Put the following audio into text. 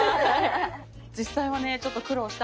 実際はねちょっと苦労したんですよね。